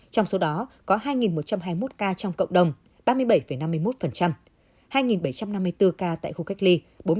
trong số đó có hai một trăm hai mươi một ca trong cộng đồng ba mươi bảy năm mươi một hai bảy trăm năm mươi bốn ca tại khu cách ly bốn mươi tám bảy mươi